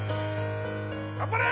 頑張れ！